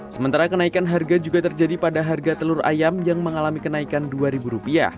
sementara kenaikan harga juga terjadi pada harga telur ayam yang mengalami kenaikan rp dua